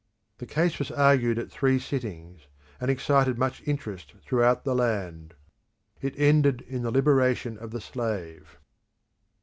The case was argued at three sittings, and excited much interest throughout the land. It ended in the liberation of the slave.